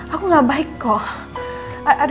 aku gak baik kok